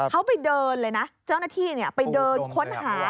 เขาไปเดินเลยนะเจ้าหน้าที่ไปเดินค้นหา